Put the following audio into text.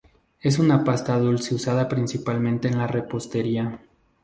Es una pasta dulce usada principalmente en la repostería.